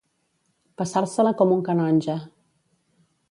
Passar-se-la com un canonge.